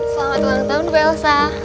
selamat ulang tahun belsa